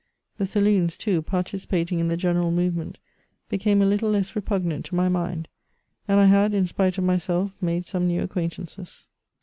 The saloons, too, participating in the general movement, became a little less repugnant to my mind, and I had, in spite of myself, made some new acquaintances.